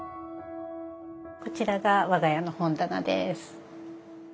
こちらが我が家の本棚です。